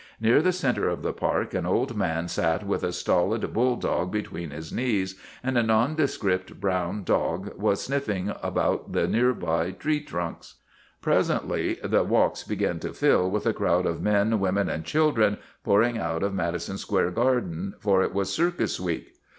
Near the center of the park an old man sat with a stolid bulldog be tween his knees, and a nondescript brown dog was sniffing about the nearby tree trunks. Presently the walks began to fill with a crowd of men, women, and children, pouring out of Madison Square Garden, for it was circus week.